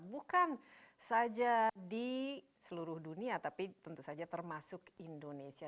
bukan saja di seluruh dunia tapi tentu saja termasuk indonesia